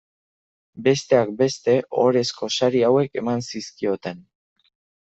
Besteak beste, ohorezko sari hauek eman zizkioten.